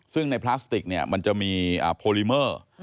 ซึ่งในพลาสติกเนี่ยมันจะมีโพลิเมอร์